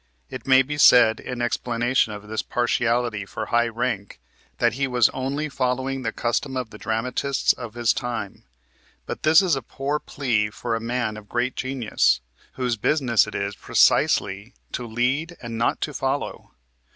It may be said in explanation of this partiality for high rank that he was only following the custom of the dramatists of his time, but this is a poor plea for a man of great genius, whose business it is precisely to lead and not to follow.